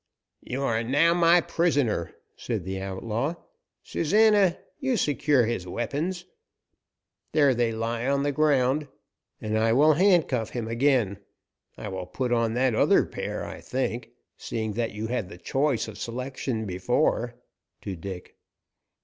"You are now my prisoner," said the outlaw. "Susana, you secure his weapons there they lie on the ground and I will handcuff him again. I will put on that other pair, I think, seeing that you had the choice of selection before," to Dick.